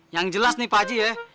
yang jelas nih pak haji ya